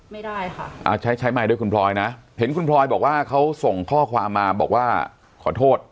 ไม่ได้ค่ะอ่าใช้ใช้ไมค์ด้วยคุณพลอยนะเห็นคุณพลอยบอกว่าเขาส่งข้อความมาบอกว่าขอโทษ